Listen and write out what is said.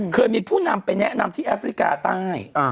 เคยมีผู้นำไปแนะนำที่แอฟริกาใต้